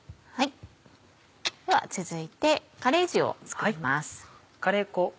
では続いてカレー塩を作ります。